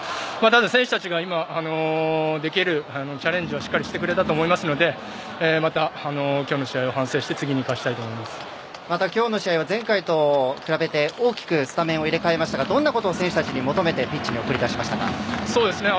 ただ選手たちができるチャレンジはしっかりしてくれたと思いますのでまた、今日の試合を反省してまた今日の試合は前回と比べて大きくスタメンを入れ替えましたがどんなことを選手に求めてそうですね。